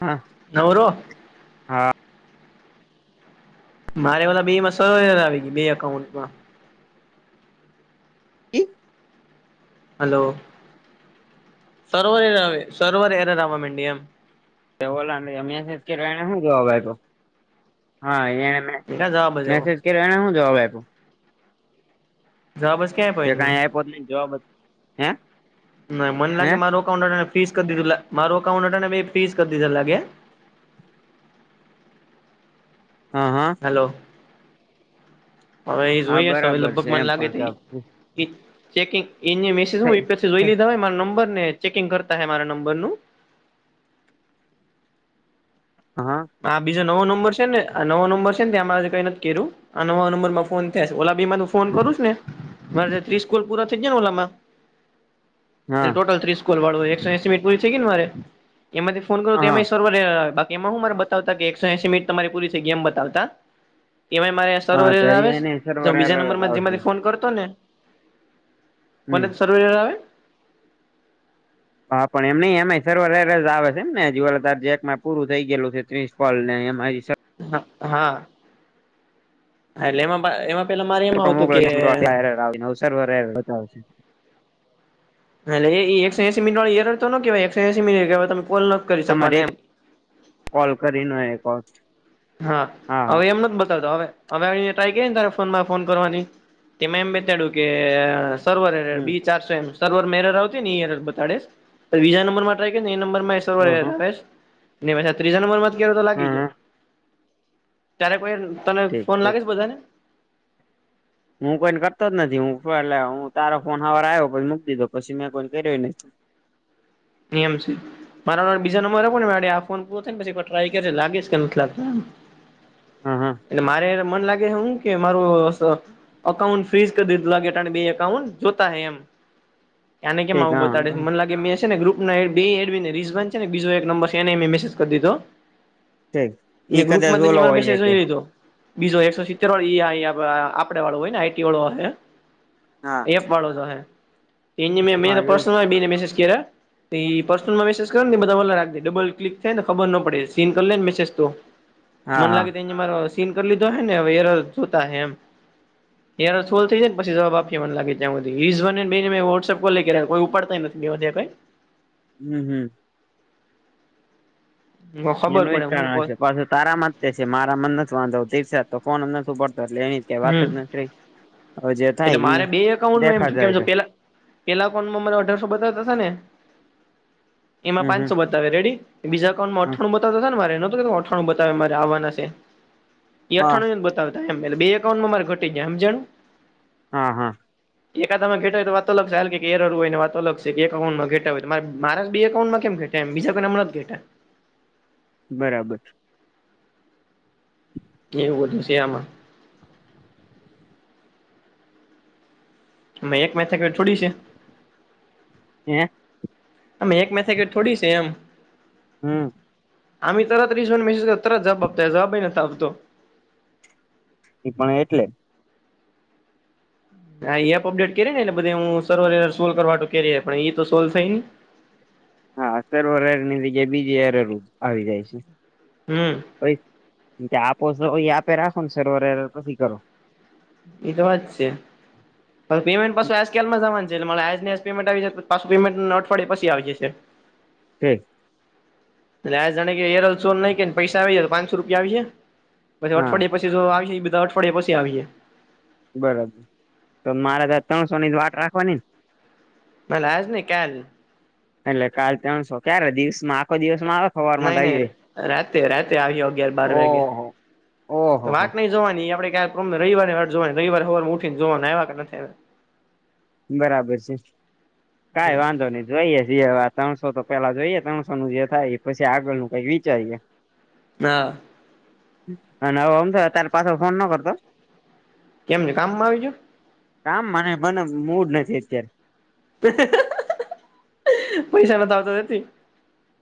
હા નવર. હા મારે ઓલા બે માં સો હજાર આવી ગઈ બે એકકાઉન્ટમાં. હલો સર્વર એ સર્વર એરે આવવા મડી એમ. ઓોલા અમિયાં જ કે એને શું જોવા ભાઈ તો હા એને. કા જવાબ જ આવ્યો મેસેજ કર્યો એ હું જવાબ આપ્યો. જવાબસ કે. કે કઈ આપ્યોત નહી જવાબ જ હે. ના મને હે લાગે માર અકાઉન્ટ ફીસ કરી દીધું માર અકાઉન્ટ ફીસ કરી દીધ લાગે. હા હા. હલો. હવે એ હા જોઈ હશે હવે બરાબર લગભગ છે મને એમ લાગે ત પણ એ. ચેકિંગ એ મેસેજ હ થઈ જોઈ લીધા મારા નંબર ને ચેકિંગ કરતા હ મારા નંબર નું. હા. બીજો નવો નંબર છે ને આ નો નંબર છે ને ત્યાંમાં કઈ કેરું. આ નવા નંબર માં ફોન થયા ઓલા બી માં ફોન કરું ને. મારે ત્રીસ ગોલ પૂરા થઈ જાય ને ઓલામાં હા એ ટોટલ ત્રીસ કોલ વાળો એકસો ત્રીસ પૂરી થઈ ગને મારે એમાંથી ફોન કર તો હા એ સ બા એમાં હું મારે બતાવતા કે એકસો એસી મિનિટ તમારી પૂરી ગેમ બતાવતા એ મારે હા તો આવે એને સર્વર બીજા એરર નંબર જ માં આવશે જેમાંથી ફોન કરતો ને હમ કોના સર્વે આવે. હા પણ એમ નહ એમાં સર્વરસ આવે છે એમ ને જાર જે એક માં પૂરું થઈ ગયલું છે ત્રીસ ફોલ ને એમાં હા હાા એટલે એમાં એમાં પેલા મારે એમ આવતું કે ને અવસર ભ બતાવશે એટલે એ એકો એસી મિનટ વાળ એર હતોતો કેવા એકસો એસી મિટ ત કો તમારે કોલ કરીને કો હા હવે એમ નથી બતાવતો હવે. હવે ટ્રાય ક ને તારે ફોન માં ફોન કરવાની તેમાં એમ બેતાડ્યું કે સર્વ હમ બી ચાર સર્વર મેર આવતી બ બજા નંબર માં ટ્રાયને એ નંબર હ હ પછા ત્રીજા નંબર માં કે તો હ લાગી હ ગયો. ત્યારે કોઈ તને ઠીક ફોન ઠીક લાગીશ બધાને હું કોઈને કરતો જ નથી હું એટલે હું તારો ફોન ખવાર આવ્યો પછી મૂકી દીધો પછી મેં કોઈ કર્યો નથીહી. નિયમ છે. મારા બીજા નંબર આપ ને આ ફોન પૂરો થ ને પછી ટ્રાયે લાગે કે નથી લાગ તો. હા હા એટલે મારે મન લાગે હું કે માર અઉ ફ્રીસ કરી દીધું લાગે બે એકઉન્ટ જોતા એમ. ક્યાને કેમ ઠીક આવું બતાડે છે હા મને લાગે મે ને ગ્રુપ એ રીઝન છેને બીજો એક નંબર છે એને મેસેજ કરી દીધો. ઠીક ઈ ગ્રુપ કદાચ માં તને ઓલો મારો હોય મેસેજ કે જોઇ લીધો. બીજો એકસો સિત્તેર વાળ આપડે વાળું હોય ને આઈટી વાળો હા એપ વાળો જો હ એ મે મે હા એવું પર્સનલ બેને મેસેજ કર્યા એ પર્સનલમાં મેસેજ કરો ને બધા મલા રાખે ડબલ ક્લિક થાય ને ખબર ના પડે સીન કરી લે ને મેસેજ તો હા મને હા લાગે તો એ મારો સીન કરી લીધો હ ને જોતા હ એમ. યાર છોલ થઈ જાયને પછ જવાબ આપએ મને લાગે્યા સુધી ઝનને મેં વો્સપ કો લ કોઈ ઉપાડતા નથી બે કંઈ. હમ હમ. ખબર એનું પડે હું કારણ કોલ છે પાછસે તારામાં છે મારા મ નથી વાંધો દી તો ફમ નથી પડતો એટલે એની કઈ વાત હમ જ નથી ર એટલે મારે બે એકાઉન્ટમાં એમ છે કેમ છ પેલા પેલા કોન્ટમાં મારે અઢારસો બતાવતાશે ને એમાં હમ હમ પાંચસો બતા બતા રેડી બીજા અકાઉન્ટ માં હા અઠાણું બતા ને મારે નતો કે અઠણું બતાવે મારે આવવાના છે. હા અઠાણું જ બતાવતા એ બે એકાઉન્ટમાં મારે ઘટી જાય એમ હમજાણું. હા હા. એકા માં ઘેા હોય તો વાતો લગશે હાલ એ ર હોયને વાતો લશે છે એકાઉન્ટમાં ઘટા હોય તો મારા બે એકાઉન્ટમાં કેમ થાય. એમ બીજા કોનામ જ ઘેટા બરાબર. [unintelligible] [inaudible] કેવું વધું છે આમાં. મે એક મેથ છોડી છે. હે અમે એક મેથેકે થોડી છે એમ. હમ આમ ત્રીસને મેસેજ કર ત જબ આપતા જવાબાઈ નથી ત આપતો તો પણ એટલે હા એપ અપડેટ કરીએ ને એટલે બધે હું સવ સોલ્વ કરવા કરીએ પણ એ તો સોલ્વ થાય ને હા સરોવર હર ની જગ્યાએ બીજી હરર આવી જાય છે. હમ. આપો આપે રાખો ને સરોવર પછી કરો. એ તો વાત છે પણ પેમેન્ટ પાછું આજકાલમાં જવાનું છે. લે આજ પેમેન્ટ આવી જશે પાછું પેમેન્ટ અવાડય પછી આવી જશે. ઠીક. એટલે આ જાણે કે એરલસો નઈ કે પૈસા આવી જાય તો પાંચસો રૂપિયા આવી છે. પછી હા અઠવાડિયા પછી જો આવી એ બધા અઠવાડિયા પછીએ. બરાબર તો મારે ત ત્રણસોની વાટ રાખવાની ને. પણ આજ નહીં કાલ. એટલે કાલ ત્રણસો ક્યારે દિવસ માં આખો દિવસમાં આવે. સવારમાં તો નહી આવી નઈ જાય રાતે રાતે આવ્યો અગિયાર બાર વાગે. ઓહો ઓહો હો વાત નહી જોવાની આપડે ક. તમને રવિરની વાર જોવા રવિવારેવાર ઉઠને જોવા આવ્યા કે નથી્યા. બરાબર છે કઈ આવ્યા. વાંધો નહી. જોઈએ ત્રણસો તો પેલા જોઈએ ત્રણસો નું જે થાય પછી આગળ નું કઈક વિચારીએે. [unintelligible] ના. અને હવેમ તો ત્યારે પાછ ફોન ના કરતો. કેમ છે કામમાં આવીજું. કામ મને પણને મૂડ નથી અત્યારે. [unintelligible] પૈસા નથી આવતા નથી.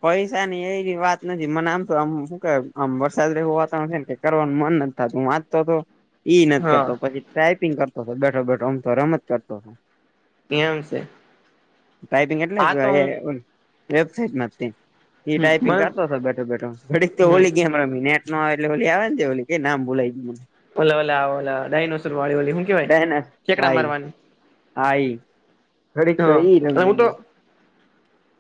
પૈસા નની એવી વાત નથી મને આમ તો આમ શું કે અં વરસાદ રવું વાતાવણ છે ને. કરવાનું મન નથી થ તું વાંચતો તો. ઈ નથી કરતો હા પછી ટાઈપિંગ કરતો હતો બેઠો બેઠો અમતો રમ જ કરતો હતો. કેમ છે. ટાઈપિંગ એટલા આ કેવા તો હું વેબસાટમાં. એ હમ ટાાઈપિંગ મન કરતો હતો બેઠો બેઠો વડી તો હમ ઓલી ગેમ. મિનેટ નો એટલેલી આવે ને ઓલી કેઈ નામ બોલાઈ ગને. ઓલો ઓલા ઓ ડ નસર વાળી ઓલી હું કેવાય ચેકડાંરવા. હઈ. હા અને હું તો.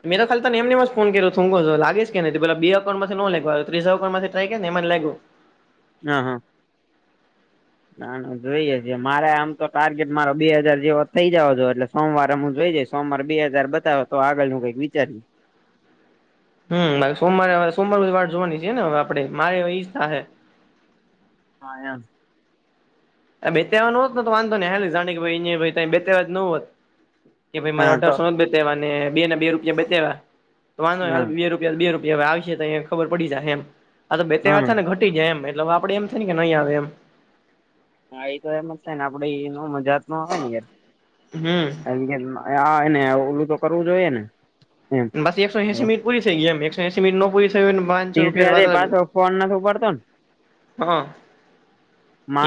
મે તો તને એમને જ ફોન કર્યો લાગી કે નથી પેલા બે અઉન્ટમાંથી લેવા ત્રી અકાઉન્ટમાંથી ટ્રાય ને એમાં લાગો. હા હા. ના ના જોઈએ છે મારે આમ તો ટાર્ગેટ મારો બે હાજાર જેવા થઇ જાવ છ એટલે. સોમવાર હમું જોઈ જાય સોમવાર બે હજાર બતાવો તો આગળનું કંઈક વિચારી. હમ મારે સોમવારે આવે સોમવાર સુધી વાટ જોવાની છે ને હવે આપડે મારી ઈચ્છા છે. હા એમ આ બે તહેવા નો હોત ને તો વાંધો ની હા જાણે કે ભાઈ અ બે ત્યાવા જ નો હોત. કે ભાઈ મારે હા તો અઢારસો બતાવવા અને બેને બે રૂપિયા બતાવ્યા તો વાંધો હાલ હા બે રૂપ બે રૂપિયાશે તો ખબર પડી જાય એમ આ તો બે વાત હા થા ને ઘ ટી ગ્યા એમ એટલે આપડે એમ થે ને કે નહીં આવે એમ. હા એ તો એમ જ થાય ને આપડે એનો મજાત નો આવે ને યાર હમ આ એને ઓલું તો કરવું જોઈએ ને એમ બસ એકસો એસી મિટ પરી થઈ ગી એમ એક્સો એસી મિટો નો પૂરી થય હો ને પાંચસો રૂપિયા વાત દિવસે લાગ્યું પાછો ફોન નથી ઉપાડતો ન. હા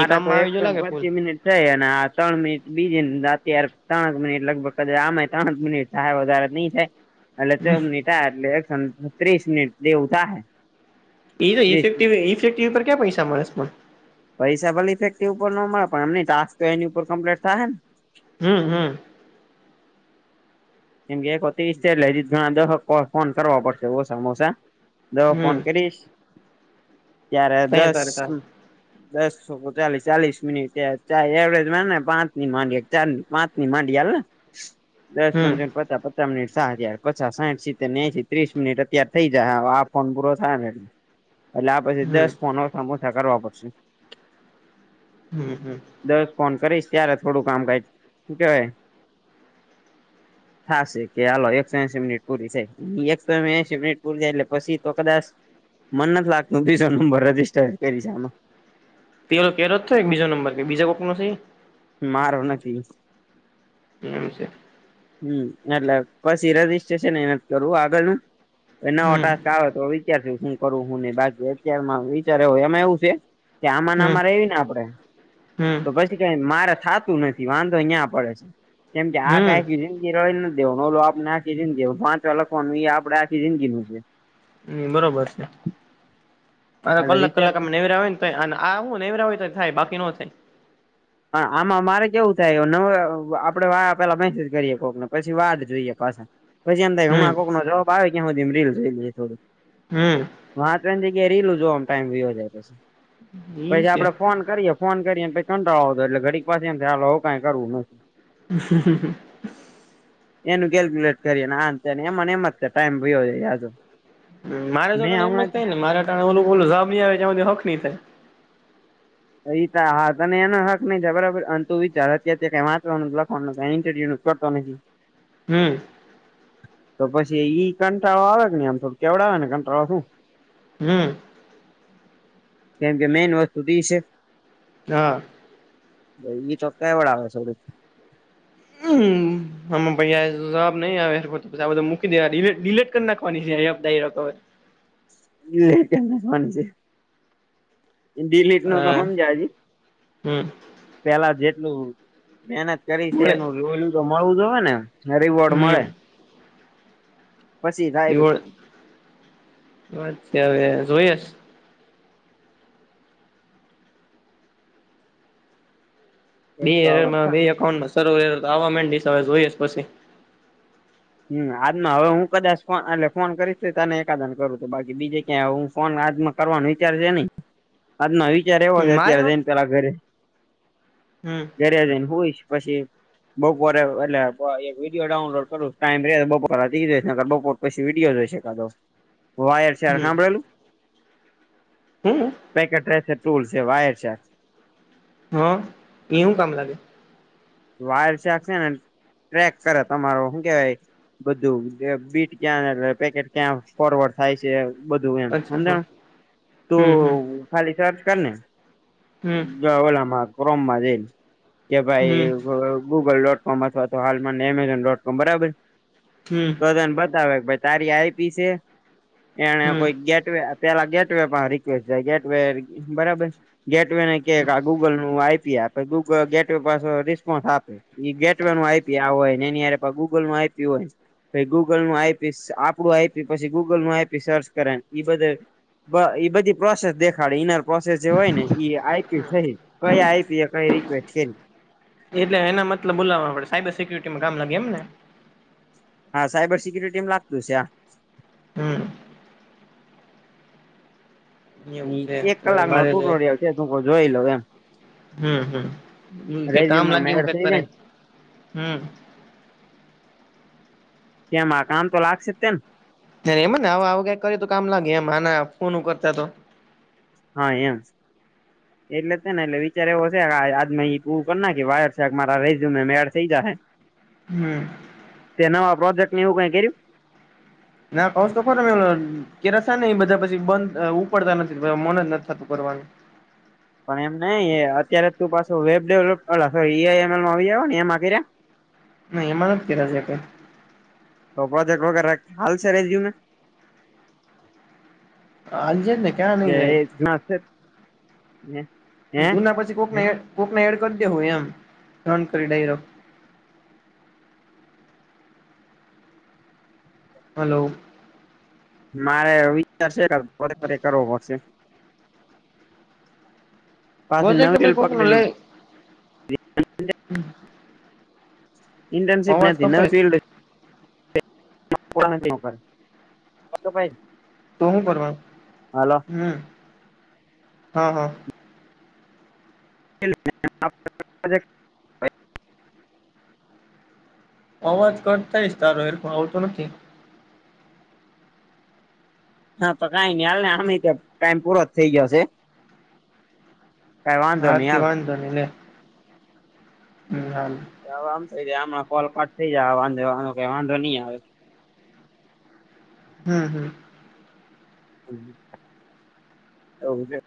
એ તો કામમાં આવી જો એક્સો ન લાગે ફૂલ પચી મિનિટ. થય અને આ ત્રણ મિનિટ બીજી અત્યારે ત્રણેક મિનિટ લગભગ કદાચ આમાં ત્રણેક મિનિટ થાય વધારે નઈ થાય એટલે મિનિટ એટલે એકસો ત્રીસ મિનિટ દેવું થાય ઈ તો ઇફેક્ટ ઇફેક્ટિવ પર ક્યા પૈસા મળેસ મને પૈસા ભલે ઇફેટિવ ઉપર નો મળે પણ એમની ટાસ્ક તો એની ઉપર કમ્પ્લીટ થાય ને હમ હમ કેમ કે એક ત્રીસ છે એટલે ઘણા દહક ફોન કરવા પડશે ઓસામોસા દવા ફોન હમ કરીશ ત્યારે તય દસ તારે તારે દસો ચાલીસ ચાલીસ મિનિટ એવરેજ ને પાંચ ની માનીએ ચાર ની પાંચની માંડીએ હાલને [unintelligible] દશ [unintelligible] પચા પચાસ મિનિટ સાયાર પચા સાંઠ સીતે ને એહી ત્રીસ મિનિટ અત્યારે થઈ જાય આ ફોન પૂરો થાય ને એટલે આ પછી હમ દસ ફોન ઓસામોસા કરવા પડશે. હમ હમ દસ ફોન કરીશ ત્યારે થોડું કામ કાય શું કેવાય. થશે કે આાલો એકસો એશી મિનિટ પૂરી જાય એકસો એશી મિનિટ પૂરી જાય એટલે પછી તો કદાચ મન નથી લાગતું બીજો નંબર રજીસ્ટર કરીશ આમાં પેલો કેયરો થય બીજો નંબર કે બીજા કોક નો છે ઇ. મારો નથી. એમ છે. હમ એટલે પસી રજીસ્ટ્રેશન એ નથ કરવું આગળનું. નવો હમ ટાસ્ક આવે તો વિચારશુ શું કરું શું નહી બાકી અત્યારમાં વિચાર હોય એમાં એવું છે. કે આમાં ન હમ આમાં રવી ને આપડે હમ તો પછી ક મા થાતું નથી વાંધો અહીંયા પડે છે કેમ કે આ કાય હમ આખી જિં ઈ રળી નથી દેવા ઓલો આપણે આખી જિંદગી પાંચવા લખવાનું એ આપડે આખી જિંદગીનું છે. હમ બરોબર છે અ એટલે કલાક વિચાર કલાક અમ નેવેરા આવે ને. આ હું નવરા હોય તો થાય બાકી નો થાય. પણ આમાં મારે કેવું થાય આપડે વા પેલા મેસેજ કરીએ કોકને પછી વાત જોઈએ પાછા. પછી એમ થાય હમ ઘણા કોક નો જવાબ આવેયા સુધી રીલ જો થોડી. હમ વાતો ની જગ્યા રીલું જોઅઆ માં ટાઈમ વીયો જાય પછી ઈ પછી છે આપડે ફોન કરીએ. ફોન કરીને કંટાળો આવતો એટલે ઘડીક પાસુ એમ થાય હવે કઈ કરવું નથી. [unintelligible] એનું કેલ્ક્યુલેટ કરીએને આન તેમને એમ ને એમ જ થ ટાઈમ વયો જાય મારે મેં સા એમ જ હમણાં થાય ને મારે ઓલું ઓ જવાબ આવે ત્યાં સુધી હખ ની થાય. એ હા તને એનો હક નહીં છે બરાબર અંને તુ વિચાર અત્યારે કંઈ વાંચવાનું લખવાનું કાય ઇન્ટરવ્યુ નુ. કરતો નથી હમ્મ. તો પછી ઈ કંટાળો આવે ને આમ થો કેવડે આવે ને [unintelligible] હમ્મ. કેમ કે મેન વસ્તુ તો એ છે. હા. ભાઈ ઈ ચોક વાળા આવે છે [unintelligible] [unintelligible] હામાં ભાઈ જવાબ નઈ આવે [unintelligible] મૂકી દેવા ડીલેટ ડીલેટ કરી નાખવાની છે એપ ડાયરેક્ટ અવે [unintelligible] ડીલીટ નો તો હા હમજા હમ [unintelligible] પેલા જેટલું મહેનત કરી છે મળે એનું [unintelligible] તો મળવું જ હોય ને એમ. કીબોર્ડ હમ મળે. પછી થાય કીબોર્ડ હવે જોઈએ છે. બે એરેર બે હમ એકઉન્ટમાં [unintelligible] આવા મંડી સે હવે જોઈ એસ પછી હમ્મ આજમાં હવે હું કદાચ ફોન એટલે ફોન કરીશું તને એકાદન કરું તો બાકી બીજે ક્યાં હું ફોન આજમાં કરવાનો વિચાર છે નઈ આજનો વિચાર એવો છે મારે અત્યારે જઈને પેલા ઘરે હમ્મ. ઘરે જઈને હુઈસ પછી બપોરે એટલે એક વિડીયો ડાઉનલોડ કરું. ટાઈમ રે તો બપોર વાગી જાય [unintelligible] બપોર પછી વિડીયો જય છે કાતો. વાયર છે આ સાંભળેલું. હમ્મ. પેકેટ રહે છે ટુલ છે વાયર છે આ. હા અહીંય હું કામ લાગે. વાયર [unintelligible] છે ને ટ્રેક કરે તમારો હું કેવાય બધું બીટ ક્યાં એ પેકેટ ક્યાં ફોરવડ થાય છે. બધું એમ અચ્છા હા હમણાં હમ હમ તું ખાલી સર્ચ કરને. હમ જો ઓલામાં ક્રોમમાં [unintelligible] કે ભાઈ હમ તો ગૂગલ ડોટ કોમ અથવા તો હાલમાં એમેઝોન ડોટ કોમ બરાબર. હમ્મ. તો તને બતાવે કે ભાઈ તારી આઈપી છે તે એને હમ કોઈ ગેટવે પેલા ગેટ વે પણ [unintelligible] જાય ગેટ વે બરાબર. ગેટ વે ને કે આ ગૂગલ નું આઈપી આપે ગૂગલ ગેટ વે પાછો રીસ કોઠ આપે ઇ ગેટવે નું આપી હોય ને એનીય ગૂગલ નું આઇ પી હોય. પાહિ ગૂગલ નું આઈપી સ આપડું આઈપી પછી ગૂગલ નું આઈપી સર્ચ કરે ઈ બધે બ ઇ બધી પ્રોસેસ દેખાડે ઈનર પ્રોસેસ જે હોય ને ઇ આઈપી થઈ. કઈ [unintelligible] કઈ રિક્વેસ્ટ કરી. એટલે એના મતલબ બોલાવા આપડે સાયબર સિક્યુરિટીમાં કામ લાગે એમ ને. હા સાયબર સિક્યુરિટીમાં લાગતું સે આ. હમ્મ. ઇ એવું છે એક કલાક નો મારે તૂટોરિયલ છે [unintelligible] પર જોઈ લઉ એમ. હમ્મ હમ્મ મન કે કામ રેઝ્યુમમાં લાગે એવું એડ કંઈક થઈ કરે જાય ને હમ્મ. કેમ આ કામ તો લાગશે તેન. [unintelligible] એમ ને આવું કઈક કર્યું તો કામ લાગે એમ આના ફોનું કરતા તો. હા એમ. [inaudible] એટલે તે ને એટલે વિચાર એવો શે કે આજ માં ઈ પૂરું કરી ના કે વાયર શાક મારા રે મેડ થઈ જાહે. હમ્મ. તે નવા પ્રોજેક્ટ કંઈ એવું કઈ કર્યું. ના કૌશ તો ખરો કેરા થ ને એ બધા પછી બંધ ઉપડતા નથી મનજ નથી થતું કરવાનું. પણ એમ નઇ એ અત્યારે તું પાછું વેબ ડેવલપ અલા ઈઆઈમલમાં આવી જાવ ને એમાં [unintelligible] નઇ એમાં નથી કયરા એકે તો પ્રોજેક્ટ વગર રાખ હાલસે રેઝ્યુમે આલજે ને ક્યાં જે નહી જાય એજ નાખે જુના પછી કોકને કોકને એડ કરી દેહું એમ રન કરી ડાયરો હલો. મારે વિચાર છે કે કરવો પડશે. પાછી બોજે કે નવી ભઈ ફિલ્ડ કોકનો પકડી લેય લીધી ઇન્ટરશીપ અવાજ નથી નવી કપાય છે ફીલ્ડ પુરાનેટ નોક અ ક ભાઈ તો હું કરવાનું હું હા હા. [inaudible] અવાજ કટ થાય શે તારો એર આવતો નથી. હા તો કાઈ ની આલ ની આમેય તે ટાઈમ પૂરો જ થઈ ગીયો શે હા નઈ હાલ તી વાંધો નઇ લે હમ હાલ. હવે આમ થઈ જા આમાં કોલ કટ થઈ જાહે વાંધો કે વાંધો કઈ વાંધો નઈ આવે. હું હું. એવું છે.